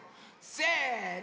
せの！